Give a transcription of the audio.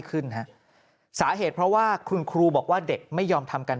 ขึ้นฮะสาเหตุเพราะว่าคุณครูบอกว่าเด็กไม่ยอมทำกัน